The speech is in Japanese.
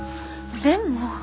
でも。